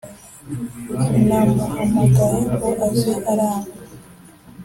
namuhamagaye ngo aze aranga